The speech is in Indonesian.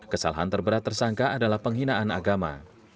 kesalahan terberat tersangka adalah penghinaan agama